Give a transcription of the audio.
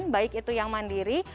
baik itu yang mandiri